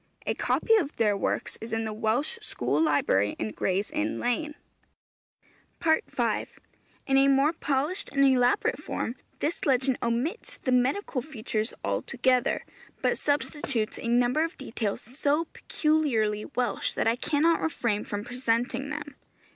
'A copy of their works is in the Welsh School Library in Gray's Inn Lane.' FOOTNOTE: 'Cambro Briton,' ii., 315. V. In a more polished and elaborate form this legend omits the medical features altogether, but substitutes a number of details so peculiarly Welsh that I cannot refrain from presenting them.